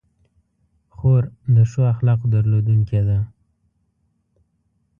خور د ښو اخلاقو درلودونکې ده.